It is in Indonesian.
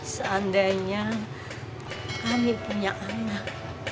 seandainya kami punya anak